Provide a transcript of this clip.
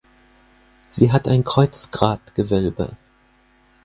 Sie hat ein Kreuzgratgewölbe.